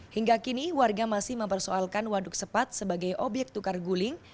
hingga kini warga masih mempersoalkan waduk sepat sebagai obyek tukar guling